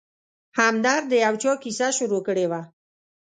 همدرد د یو چا کیسه شروع کړې وه.